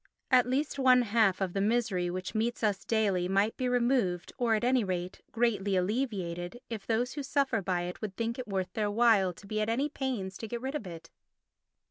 At least one half of the misery which meets us daily might be removed or, at any rate, greatly alleviated, if those who suffer by it would think it worth their while to be at any pains to get rid of it.